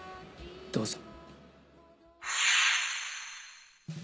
どうぞ。